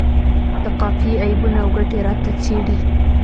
د قافیې عیبونه او ګټې راته څیړي.